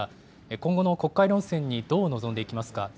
今後の国会論戦にどう臨んでいきますか。